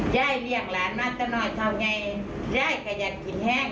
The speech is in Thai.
ยายเรียกหลานมาตลอดเท่านั้นไงยายก็อยากคิดแฮง